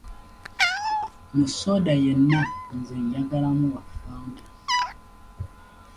Mu soda yenna nze njagalamu wa Fanta.